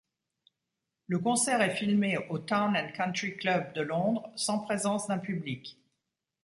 Le concert est filmé au Town and Country Club, Londres, sans présence d'un public.